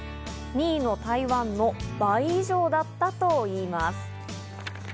２位の台湾の倍以上だったといいます。